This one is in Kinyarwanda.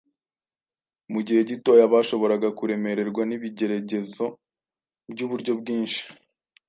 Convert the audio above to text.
Mu gihe gitoya bashoboraga kuremererwa n’ibigeregezo by’uburyo bwinshi;